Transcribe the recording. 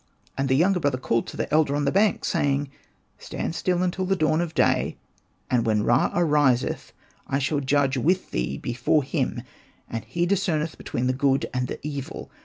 And the younger brother called to the elder on the bank, saying, '* Stand still until the dawn of day; and when Ra ariseth, I shall judge with thee before Him, and He discerneth between the good and the evil.